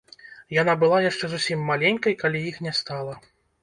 Яна была яшчэ зусім маленькай, калі іх не стала.